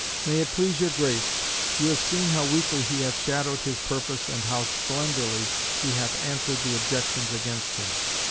May it please your Grace, you have seen how weakly he hath shadowed his purpose and how slenderly he hath answered the objections against him.